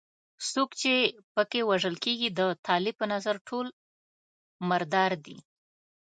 څوک چې په کې وژل کېږي د طالب په نظر ټول مردار دي.